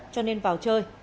cho nên vào chơi